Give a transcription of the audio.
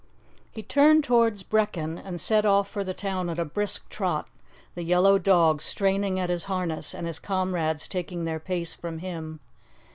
He turned towards Brechin, and set off for the town at a brisk trot, the yellow dog straining at his harness, and his comrades taking their pace from him.